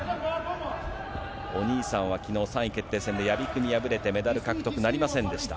お兄さんはきのう、３位決定戦で屋比久に破れて、メダル獲得なりませんでした。